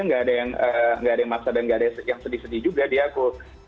nggak ada yang maksa dan nggak ada yang sedih sedih juga di aku